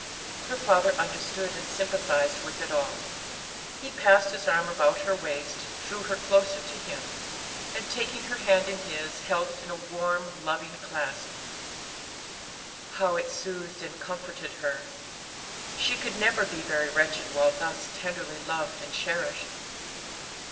Her father understood and sympathized with it all. He passed his arm about her waist, drew her closer to him, and taking her hand in his, held it in a warm, loving clasp. How it soothed and comforted her. She could never be very wretched while thus tenderly loved, and cherished.